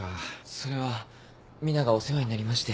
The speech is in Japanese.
それはミナがお世話になりまして。